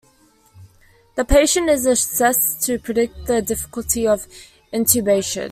The patient is assessed to predict the difficulty of intubation.